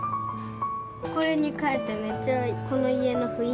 これにかえてめっちゃこの家の雰囲気が変わった。